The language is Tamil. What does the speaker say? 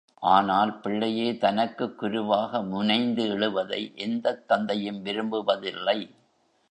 ஆனால் பிள்ளையே தனக்குக் குருவாக முனைந்து எழுவதை எந்தத் தந்தையும் விரும்புவதில்லை.